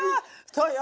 そうよ。